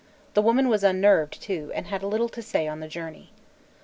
The woman was unnerved, too, and had little to say on the journey.